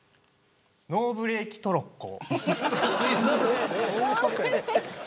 ノーブレーキトロッコ。